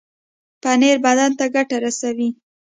پنېر بدن ته ګټه رسوي.